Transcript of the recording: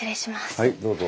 はいどうぞ。